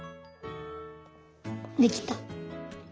できた。